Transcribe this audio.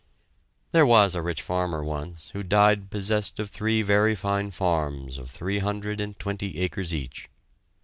There was a rich farmer once, who died possessed of three very fine farms of three hundred and twenty acres each.